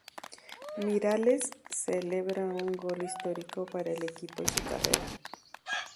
Miralles celebra un gol histórico para el equipo y su carrera.